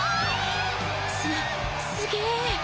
すすげえ